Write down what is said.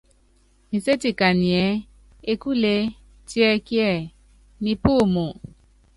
Nséti kanyiɛ́: Ekúlee tiɛkiɛ, Nipúumu ?